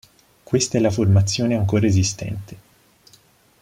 Questa è la formazione ancora esistente.